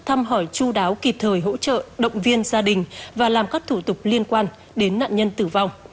hỏi chú đáo kịp thời hỗ trợ động viên gia đình và làm các thủ tục liên quan đến nạn nhân tử vong